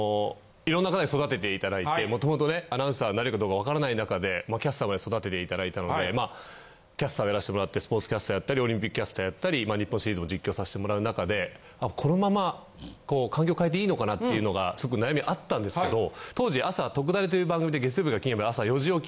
色んな方に育てていただいて元々ねアナウンサーになれるかどうかわからない中でキャスターまで育てていただいたのでまあキャスターをやらしてもらってスポーツキャスターやったりオリンピックキャスターやったり日本シリーズも実況さしてもらう中でこのまま環境変えていいのかなっていうのがすごく悩みはあったんですけど当時朝。